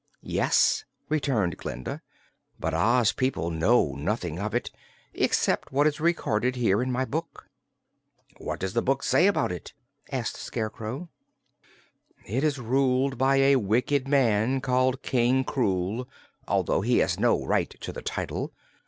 "Yes," returned Glinda, "but Oz people know nothing of it, except what is recorded here in my book." "What does the Book say about it?" asked the Scarecrow. "It is ruled by a wicked man called King Krewl, although he has no right to the title.